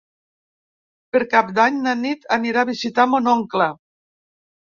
Per Cap d'Any na Nit anirà a visitar mon oncle.